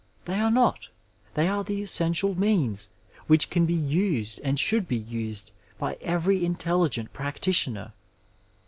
They are not I They are the essential means which can be used and should be used by every intelligent practitioner.